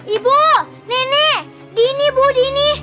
ibu nenek gini bu dini